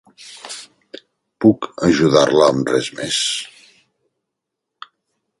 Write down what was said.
Puc ajudar-la amb res més?